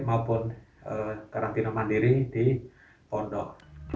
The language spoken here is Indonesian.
dan karantina mandiri di pondok